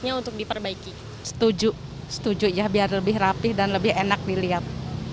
setuju ya biar lebih rapih dan lebih enak dilihat